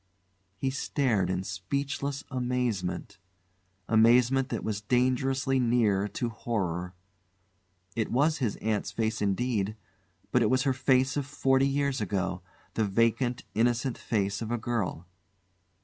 He stared in speechless amazement amazement that was dangerously near to horror. It was his aunt's face indeed, but it was her face of forty years ago, the vacant innocent face of a girl.